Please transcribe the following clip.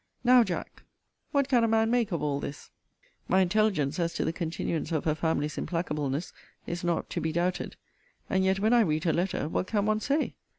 Now, Jack, what can a man make of all this? My intelligence as to the continuance of her family's implacableness is not to be doubted; and yet when I read her letter, what can one say?